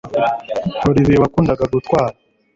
Olivier wakundaga gutwara